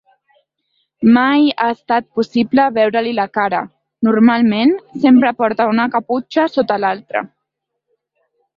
Mai ha estat possible veure-li la cara, normalment sempre porta una caputxa sota l'altra.